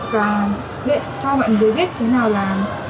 và cho mọi người biết thế nào là